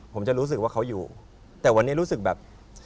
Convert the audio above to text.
ผมจะรู้สึกว่าเขาอยู่แต่วันนี้รู้สึกแบบ